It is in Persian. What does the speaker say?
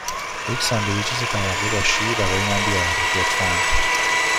یک ساندویچ سه طبقه با شیر برای من بیاورید، لطفاً.